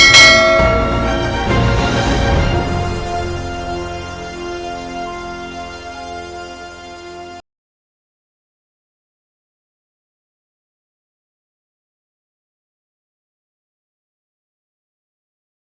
jangan sampai riki